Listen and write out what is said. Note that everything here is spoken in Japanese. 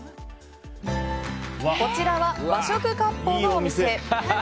こちらは和食割烹のお店。